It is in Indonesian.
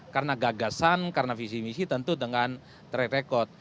karena gagasan karena visi misi tentu dengan track record